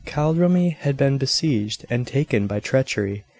Kildrummy had been besieged and taken by treachery.